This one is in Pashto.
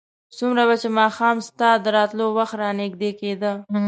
څومره به چې ماښام ستا د راتلو وخت رانږدې کېده.